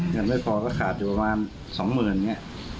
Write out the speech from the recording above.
เงินไม่พอก็ขาดอยู่ประมาณ๒๐๐๐๐บาท